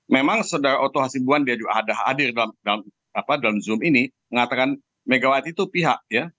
memang saudara otto hasibuan dia juga hadir dalam zoom ini mengatakan megawati itu pihak ya